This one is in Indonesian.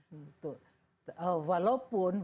mencari riwayat perjalanan